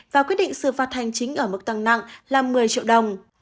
và quyết định xử phạt hành chính ở mức tăng nặng là một mươi triệu đồng